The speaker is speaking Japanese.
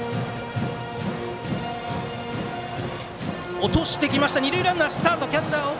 落としてきて二塁ランナー、スタート。